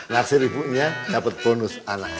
laksir ibunya dapat bonus anaknya